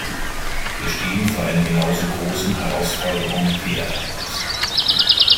Wir stehen vor einer genauso großen Herausforderung wie er damals.